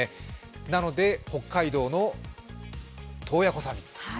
なので北海道の洞爺湖サミット。